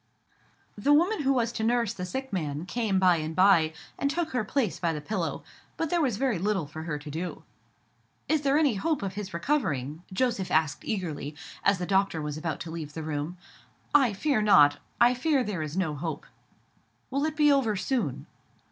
The woman who was to nurse the sick man came by and by, and took her place by the pillow. But there was very little for her to do. "Is there any hope of his recovering?" Joseph asked eagerly, as the doctor was about to leave the room. "I fear not—I fear there is no hope." "Will it be over soon?"